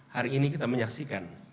hari ini kita menyaksikan